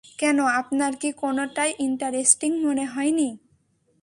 কেন, আপনার কি কোনটাই ইন্টারেস্টিং মনে হয়নি?